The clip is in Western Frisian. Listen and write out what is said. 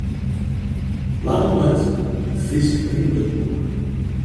Lang om let: in Frysk rymwurdboek!